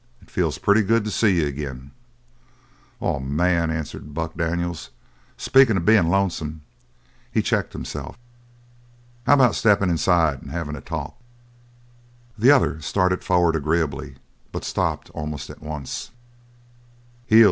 It feels pretty good to see you agin." "Oh man," answered Buck Daniels, "speakin' of bein' lonesome " He checked himself. "How about steppin' inside and havin' a talk?" The other started forward agreeably, but stopped almost at once. "Heel!"